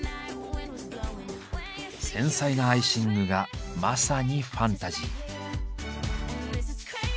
繊細なアイシングがまさにファンタジー。